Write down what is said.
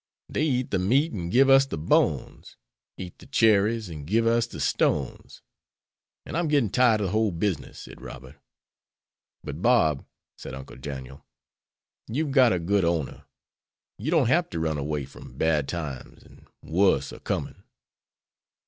"'They eat the meat and give us the bones, Eat the cherries and give us the stones,' "And I'm getting tired of the whole business," said Robert. "But, Bob," said Uncle Daniel, "you've got a good owner. You don't hab to run away from bad times and wuss a comin'."